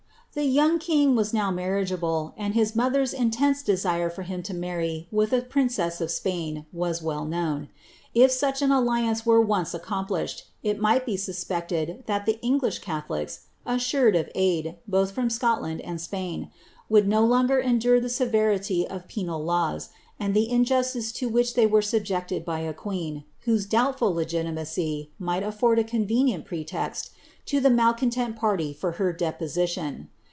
The young king was now marriageable, and his mother's intense de sire for him to marry with a princess of Spain was well known. If such an alliance were once accomplished, it might be suspected that the English catholics, assured of aid, both from Scotland and Spain, would no longer endure the severity of penal laws, and the injustice to which they were subjected by a queen, whose doubtful legitimacy might aflbrd a convenient pretext to the malcontent party for her deposition.